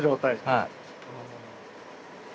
はい。